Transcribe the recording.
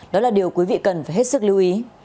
đó là điều quý vị cần phải hết sức lưu ý